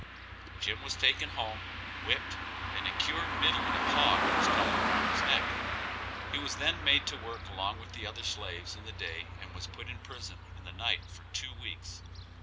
Jim was taken home, whipped, and a cured middling of a hog was tied around his neck; he was then made to work along with the other slaves in the day and was put in prison in the night for two weeks.